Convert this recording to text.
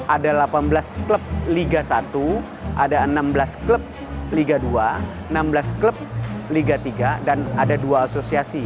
ada delapan belas klub liga satu ada enam belas klub liga dua enam belas klub liga tiga dan ada dua asosiasi